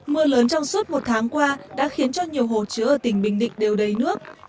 mưa lớn trong suốt một tháng qua đã khiến cho nhiều hồ chứa ở tỉnh bình định đều đầy nước